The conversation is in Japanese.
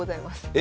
え